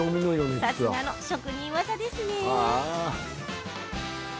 さすがの職人技ですね。